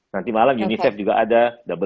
nanti malam unicef juga ada double